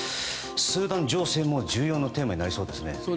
スーダン情勢も重要なテーマになりそうですね。